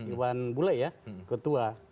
iwan bule ya ketua